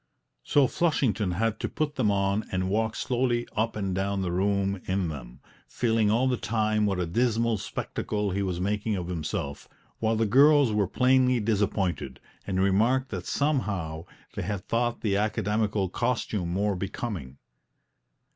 So Flushington had to put them on and walk slowly up and down the room in them, feeling all the time what a dismal spectacle he was making of himself, while the girls were plainly disappointed, and remarked that somehow they had thought the academical costume more becoming.